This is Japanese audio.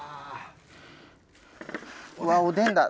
うわっおでんだ。